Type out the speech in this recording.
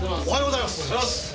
おはようございます！